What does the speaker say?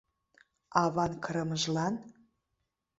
Аван кырымыжлан?